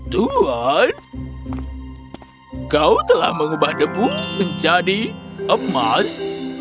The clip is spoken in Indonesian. tuhan kau telah mengubah debu menjadi emas